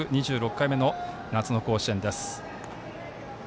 ２６回目の夏の甲子園です。